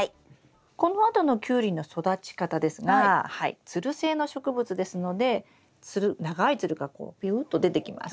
このあとのキュウリの育ち方ですがつる性の植物ですのでつる長いつるがこうビューッと出てきます。